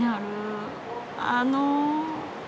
あの！